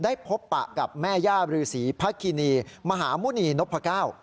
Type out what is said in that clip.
ได้พบปะกับแม่ย่ารือสีพระคินีมหาหมุนีนพเก้า